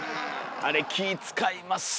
あれ気ぃ遣いますよね。